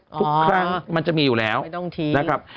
อ๋อไม่ต้องทีทุกครั้งมันจะมีอยู่แล้วนะครับ